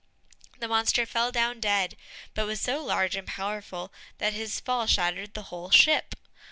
The monster fell down dead, but was so large and powerful that his fall shattered the whole ship.